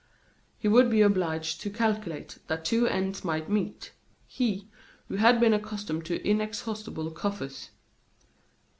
He would be obliged to calculate that two ends might meet he, who had been accustomed to inexhaustible coffers.